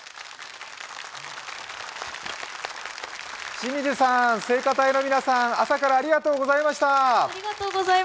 清水さん、聖歌隊の皆さん、朝からありがとうございました。